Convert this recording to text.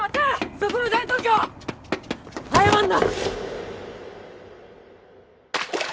そこの大東京早まんな！